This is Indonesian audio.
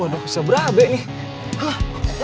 waduh bisa berabe nih